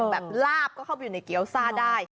แบบลาบก็เข้าไปอยู่ในเกี้ยวซ่าได้